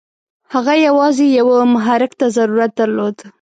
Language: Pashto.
هغه یوازې یوه محرک ته ضرورت درلود.